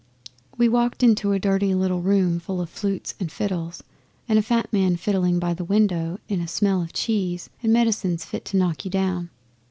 We walked into a dirty little room full of flutes and fiddles and a fat man fiddling by the window, in a smell of cheese and medicines fit to knock you down.